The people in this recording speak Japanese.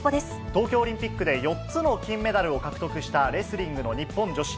東京オリンピックで４つの金メダルを獲得したレスリングの日本女子。